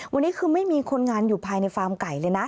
วันนี้คือไม่มีคนงานอยู่ภายในฟาร์มไก่เลยนะ